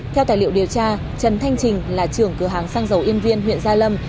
theo tài liệu điều tra trần thanh trình là trưởng cửa hàng xăng dầu yên viên huyện gia lâm